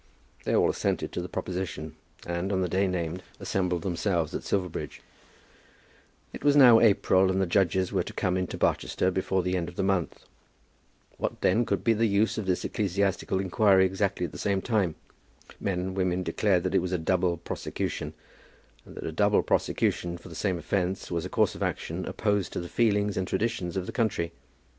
They all assented to the proposition, and on the day named assembled themselves at Silverbridge. It was now April, and the judges were to come into Barchester before the end of the month. What then could be the use of this ecclesiastical inquiry exactly at the same time? Men and women declared that it was a double prosecution, and that a double prosecution for the same offence was a course of action opposed to the feelings and traditions of the country.